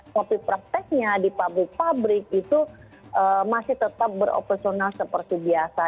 tapi prakteknya di pabrik pabrik itu masih tetap beroperasional seperti biasa